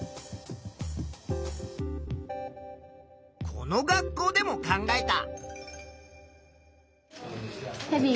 この学校でも考えた。